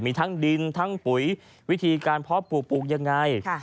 มีทั้งดินทั้งปุ๋ยวิธีการเพาะปลูกปลูกยังไง